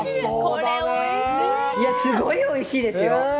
すごいおいしいですよ。